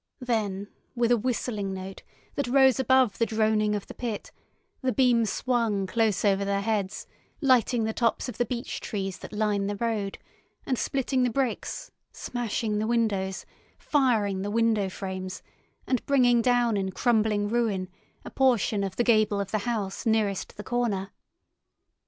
Then, with a whistling note that rose above the droning of the pit, the beam swung close over their heads, lighting the tops of the beech trees that line the road, and splitting the bricks, smashing the windows, firing the window frames, and bringing down in crumbling ruin a portion of the gable of the house nearest the corner.